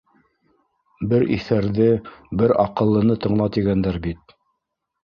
Бер иҫәрҙе, бер аҡыллыны тыңла, тигәндәр бит.